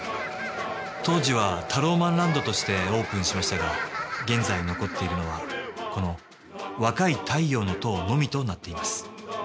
当時はタローマンランドとしてオープンしましたが現在残っているのはこの「若い太陽の塔」のみとなっています。